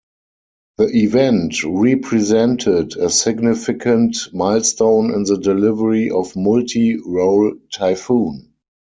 The event represented a significant milestone in the delivery of multi-role Typhoon.